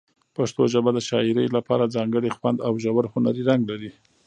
پښتو ژبه د شاعرۍ لپاره ځانګړی خوند او ژور هنري رنګ لري.